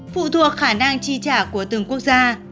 phụ thuộc khả năng chi trả của từng quốc gia